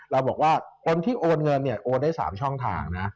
เราบอกว่าคนที่โอนเงินเนี่ยโอนได้๓ช่องทางนะ